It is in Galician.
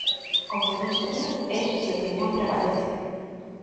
O que non se di é que opinión prevalece.